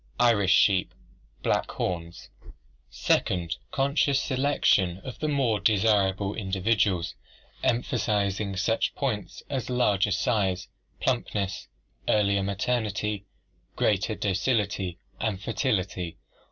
Irish sheep, black horns. Second, conscious selection of the more desirable individuals, emphasizing such points as larger size, plumpness, earlier maturity, greater docility, and fertility.